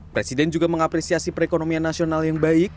presiden juga mengapresiasi perekonomian nasional yang baik